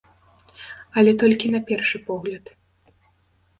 Але толькі на першы погляд.